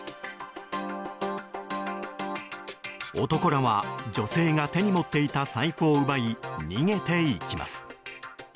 男らは、女性が手に持っていた財布を奪い、逃げていきます。